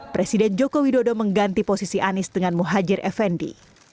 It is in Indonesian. presiden joko widodo mengganti posisi anies dengan muhajir effendi